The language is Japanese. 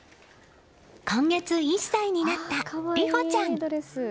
今月、１歳になった莉歩ちゃん。